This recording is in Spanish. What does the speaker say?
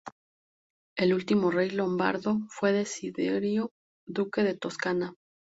El último rey lombardo fue Desiderio, duque de Toscana.